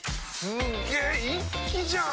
すげ一気じゃん！